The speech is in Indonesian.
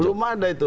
belum ada itu